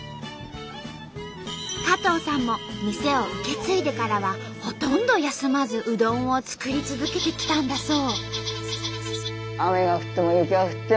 加藤さんも店を受け継いでからはほとんど休まずうどんを作り続けてきたんだそう。